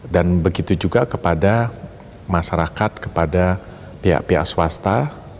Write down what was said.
dan begitu juga kepada masyarakat kepada pihak pihak swasta